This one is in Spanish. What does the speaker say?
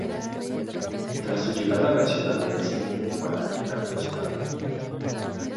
Tras su llegada a la ciudad, es elegido para liderar la ciudad.